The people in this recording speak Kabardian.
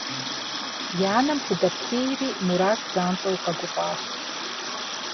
И анэм худэплъейри, Мурат занщӏэу къэгуфӏащ.